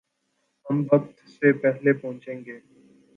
ہم وقت سے پہلے پہنچیں گے